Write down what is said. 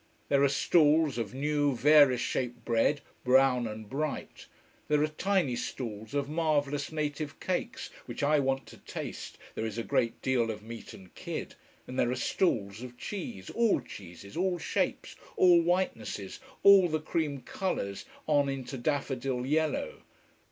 There are stalls of new, various shaped bread, brown and bright: there are tiny stalls of marvellous native cakes, which I want to taste, there is a great deal of meat and kid: and there are stalls of cheese, all cheeses, all shapes, all whitenesses, all the cream colours, on into daffodil yellow.